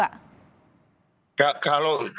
pak prabowo sama bu mega masih jadi ketemu gak